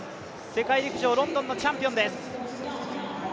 世界陸上ロンドンのチャンピオンです。